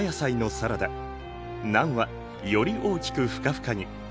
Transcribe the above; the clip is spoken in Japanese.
ナンはより大きくふかふかに。